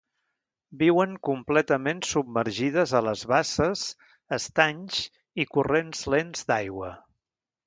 Viuen completament submergides a les basses, estanys i corrents lents d'aigua.